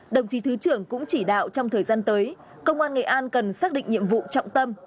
đồng chí thứ trưởng cũng chỉ đạo trong thời gian tới công an nghệ an cần xác định nhiệm vụ trọng tâm